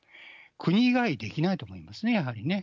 国以外にできないと思いますね、やはりね。